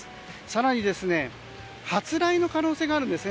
更に発雷の可能性があるんです。